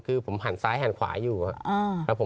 คือผมหันซ้ายหันขวาอยู่ครับ